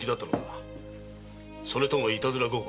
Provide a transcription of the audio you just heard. それともいたずら心か？